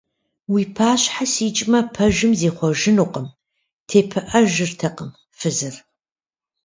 Уи пащхьэ сикӀкӀэ пэжым зихъуэжынукъым! – тепыӀэжыртэкъым фызыр.